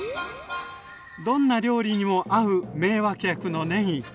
どんな料理にも合う名脇役のねぎ。